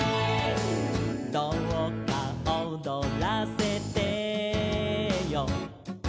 「どうか踊らせてよ」